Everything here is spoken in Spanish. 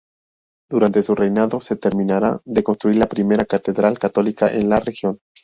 Durante su reinado se terminará de construir la primera Catedral católica en la región.